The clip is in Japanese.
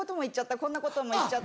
こんなことも言っちゃった。